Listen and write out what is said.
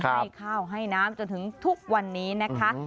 ให้ข้าวให้น้ำจนถึงทุกวันนี้นะคะ